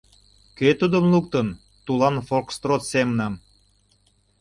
Кӧ тудым луктын — Тулан фокстрот семнам?